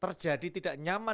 terjadi tidak nyaman dan nyaman